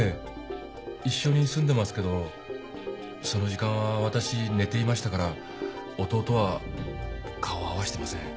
一緒に住んでますけどその時間はわたし寝ていましたから弟は顔合わしてません。